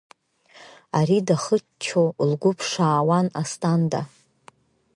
Ари дахыччон, лгәы ԥшаауан Асҭанда…